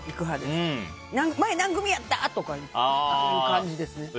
前、何組やった？とかいう感じですね。